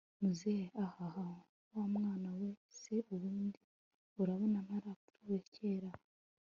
muzehe hhhm! wamwana we se ubundi urabona ntarapfuye kera